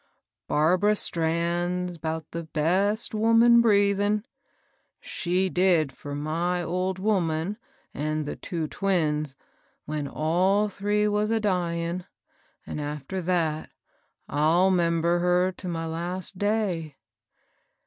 Barbara Strand's 'bout the best woman breathin' ; she did for my old woman an' th' two twins when all three was a dyin' ; an' after that I'll 'member her to my last day."